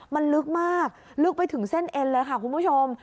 มันลึกมากลึกไปถึงเส้นเอ็นเลยค่ะคุณผู้ชม